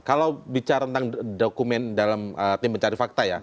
kalau bicara tentang dokumen dalam tim pencari fakta ya